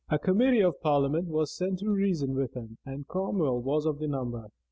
A committee of parliament was sent to reason with him; and Cromwell was of the number.